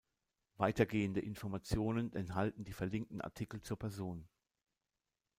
Weitergehende Informationen enthalten die verlinkten Artikel zur Person.